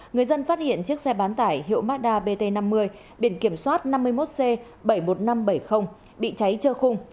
người dân phát hiện chiếc xe bán tải hiệu mazda bt năm mươi biển kiểm soát năm mươi một c bảy mươi một nghìn năm trăm bảy mươi bị cháy trơ khung